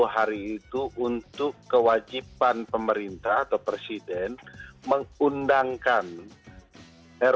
tiga puluh hari itu untuk kewajiban pemerintah atau presiden mengundangkan ruu yang sudah disetujui bersama